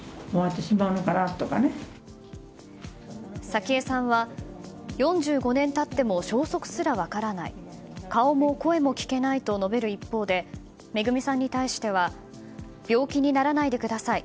早紀江さんは、４５年経っても消息すら分からない顔も声も聞けないと述べる一方でめぐみさんに対しては病気にならないでください。